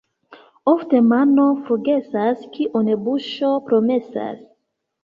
Ofte mano forgesas, kion buŝo promesas.